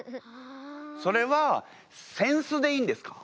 それは扇子でいいんですか？